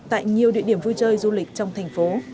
tại nhiều địa điểm vui chơi du lịch trong thành phố